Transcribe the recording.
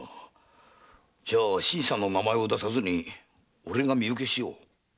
じゃあ新さんの名前は出さずに俺が身請けしよう。